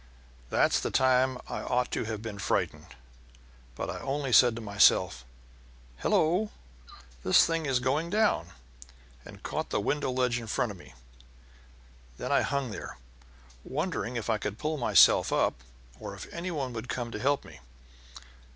That's the time I ought to have been frightened, but I only said to myself, 'Hello! this thing's going down,' and caught the window ledge in front of me. Then I hung there, wondering if I could pull myself up or if any one would come to help me.